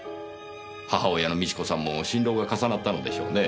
母親の美智子さんも心労が重なったのでしょうねぇ。